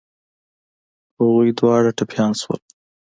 هغوی دواړه ټپيان شول.